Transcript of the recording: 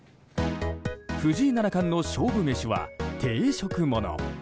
藤井七冠の勝負メシは定食物。